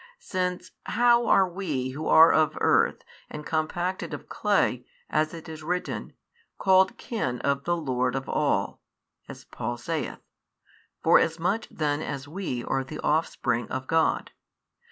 Since how are WE who are of earth and compacted of clay, as it is written, called kin of the Lord of all, as Paul saith, Forasmuch then as we are the offspring of God?